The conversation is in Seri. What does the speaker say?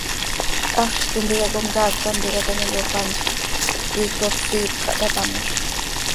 Haxz tintica comcaac tanticat ano yopanzx, quiicot siip xah taa tamoz.